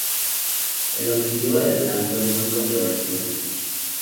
El objetivo del plan fue muy controvertido.